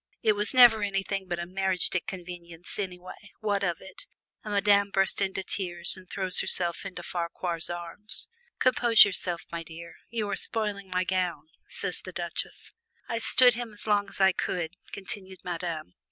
"It was never anything but a 'mariage de convenance' anyway, what of it ?" and Madame bursts into tears and throws herself into Farquar's arms. "Compose yourself, my dear you are spoiling my gown," says the Duchesse. "I stood him as long as I could," continued Madame.